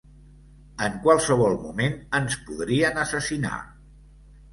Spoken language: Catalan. En qualsevol moment ens podrien assassinar!